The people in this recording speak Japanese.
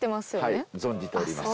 はい存じております。